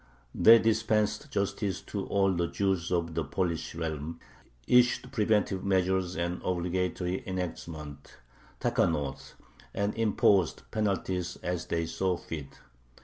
They dispensed justice to all the Jews of the Polish realm, issued preventive measures and obligatory enactments (takkanoth), and imposed penalties as they saw fit.